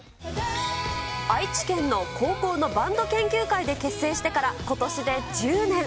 愛知県の高校のバンド研究会で結成してからことしで１０年。